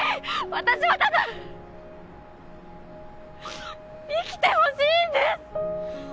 私はただ生きてほしいんです！